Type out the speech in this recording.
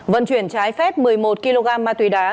vận chuyển trái phép một mươi một kg ma túy đá